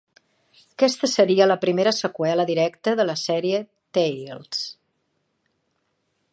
Aquesta seria la primera seqüela directa de la sèrie Tales.